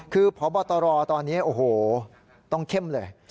คือพบรตอนนี้ต้องเข้มเลย